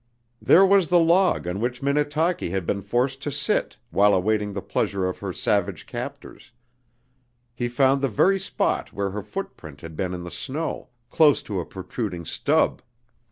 There was the log on which Minnetaki had been forced to sit while awaiting the pleasure of her savage captors; he found the very spot where her footprint had been in the snow, close to a protruding stub!